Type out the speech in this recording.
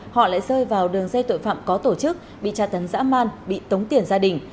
họ lại rơi vào đường dây tội phạm có tổ chức bị tra tấn dã man bị tống tiền gia đình